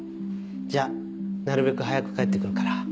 じゃあなるべく早く帰ってくるから。